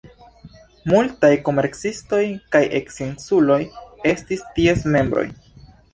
Multaj komercistoj kaj scienculoj estis ties membroj.